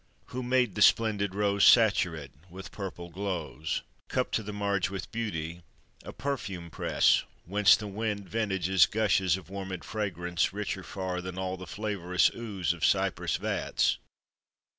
Who made the splendid rose Saturate with purple glows; Cupped to the marge with beauty; a perfume press Whence the wind vintages Gushes of warmèd fragrance richer far Than all the flavorous ooze of Cyprus' vats?